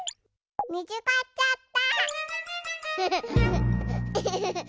みつかっちゃった！